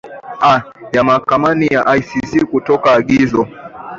a ya mahakama ya icc kutoa agizo